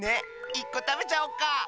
１こたべちゃおっか？